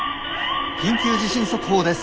「緊急地震速報です。